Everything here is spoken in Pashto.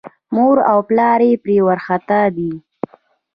مور او پلار یې پرې وارخطا دي.